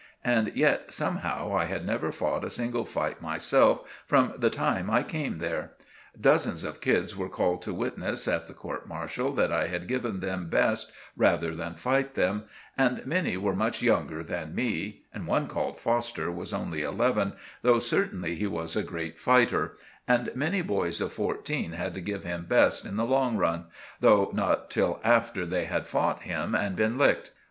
And yet, somehow, I had never fought a single fight myself from the time I came there. Dozens of kids were called to witness at the court martial that I had given them 'best' rather than fight them; and many were much younger than me, and one, called Foster, was only eleven, though certainly he was a great fighter, and many boys of fourteen had to give him best in the long run, though not till after they had fought him and been licked.